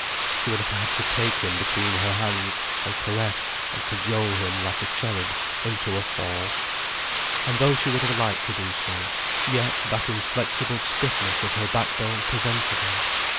She would have had to take him between her hands and caress and cajole him like a cherub, into a fall. And though she would have like to do so, yet that inflexible stiffness of her backbone prevented her.